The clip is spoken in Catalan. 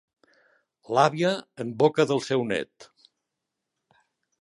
L'àvia, en boca del seu nét.